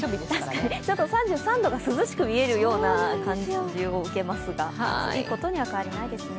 確かに３３度が涼しく見えるような感じを受けますが、暑いことに変わりはないですね。